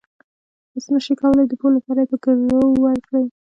تاسو نشئ کولای د پور لپاره یې په ګرو ورکړئ.